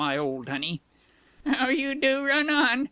My old honey!" "How you do run on!"